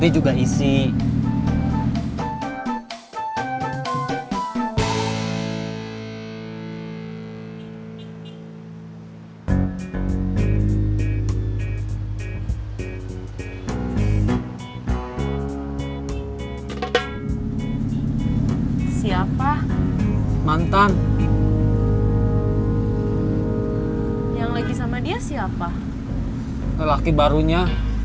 jangan lupa like share dan subscribe ya